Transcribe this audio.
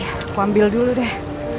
aku ambil dulu deh